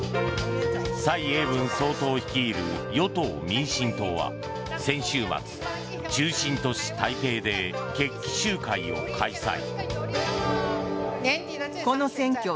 蔡英文総統率いる与党・民進党は先週末中心都市・台北で決起集会を開催。